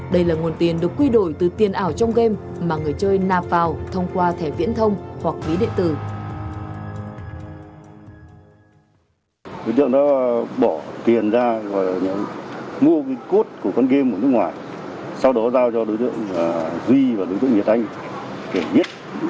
đây là nguồn tiền được quy đổi từ tiền ảo trong game mà người chơi nạp vào thông qua thẻ viễn thông hoặc ví địa tử